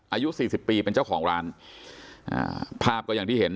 อายุสี่สิบปีเป็นเจ้าของร้านอ่าภาพก็อย่างที่เห็น